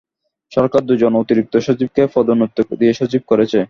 সরকার দুজন অতিরিক্ত সচিবকে পদোন্নতি দিয়ে সচিব করেছে।